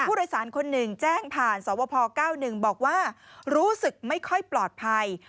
ผู้โดยสารคนหนึ่งแจ้งผ่านสวพ๙๑บอกว่ารู้สึกไม่ค่อยปลอดภัย